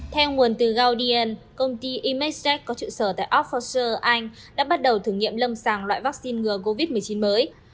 theo nguồn từ gaudien công ty imagetech có trụ sở tại oxfordshire anh đã bắt đầu thử nghiệm lâm sàng loại vaccine ngừa covid một mươi chín mới